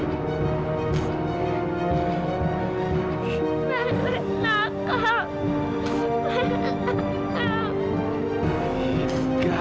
obat tampar lara